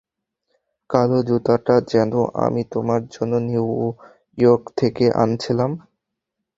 কালো জুতাটা যেটা আমি তোমার জন্য নিউ ইয়র্ক থেকে আনছিলাম।